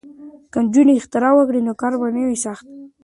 که نجونې اختراع وکړي نو کار به نه وي سخت.